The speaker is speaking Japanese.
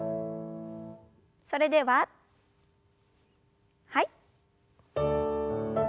それでははい。